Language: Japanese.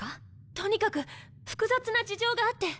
とにかく複雑な事情があって。